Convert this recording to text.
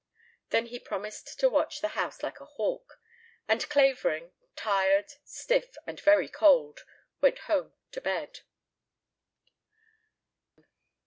Then he promised to watch the house like a hawk, and Clavering, tired, stiff, and very cold, went home to bed.